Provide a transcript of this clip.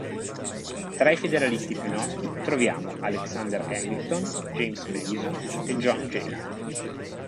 Tra i federalisti più noti troviamo Alexander Hamilton, James Madison e John Jay.